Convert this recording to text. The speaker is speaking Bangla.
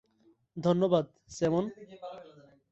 ধন্যবাদ, স্যামন।